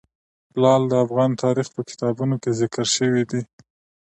لعل د افغان تاریخ په کتابونو کې ذکر شوی دي.